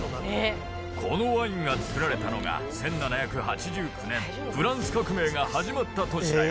このワインがつくられたのが１７８９年、フランス革命が始まった年だよ。